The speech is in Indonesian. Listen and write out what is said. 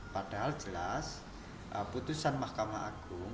padahal jelas putusan mahkamah agung